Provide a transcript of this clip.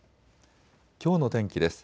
きょうの天気です。